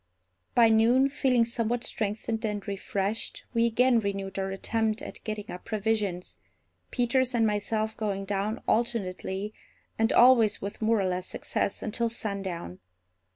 By noon, feeling somewhat strengthened and refreshed, we again renewed our attempt at getting up provisions, Peters and myself going down alternately, and always with more or less success, until sundown.